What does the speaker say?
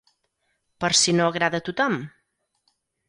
Per si no agrada a tothom?